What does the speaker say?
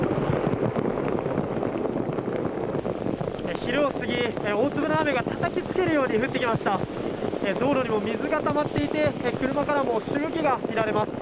昼過ぎ、大粒の雨がたたきつけるように降ってきました。